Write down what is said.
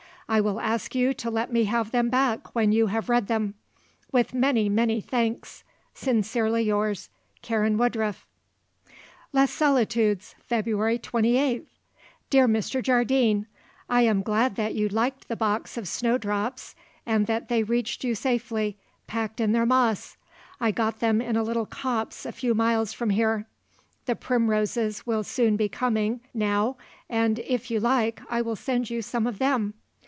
I will ask you to let me have them back when you have read them. With many, many thanks. Sincerely yours, "Karen Woodruff." "Les Solitudes, "February 28th. "Dear Mr. Jardine, I am glad that you liked the box of snowdrops and that they reached you safely, packed in their moss. I got them in a little copse a few miles from here. The primroses will soon be coming now and, if you like, I will send you some of them.